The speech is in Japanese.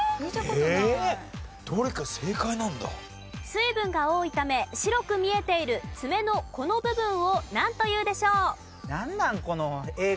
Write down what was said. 水分が多いため白く見えている爪のこの部分をなんというでしょう？